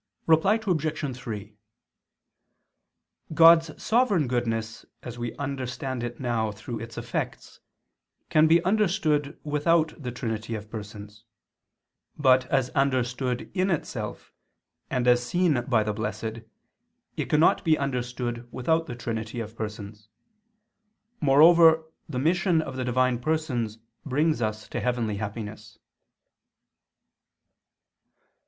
Reply Obj. 3: God's sovereign goodness as we understand it now through its effects, can be understood without the Trinity of Persons: but as understood in itself, and as seen by the Blessed, it cannot be understood without the Trinity of Persons. Moreover the mission of the Divine Persons brings us to heavenly happiness.